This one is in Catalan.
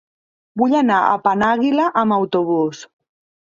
Vull anar a Penàguila amb autobús.